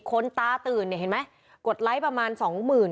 คนตาตื่นเนี่ยเห็นไหมกดไลค์ประมาณสองหมื่น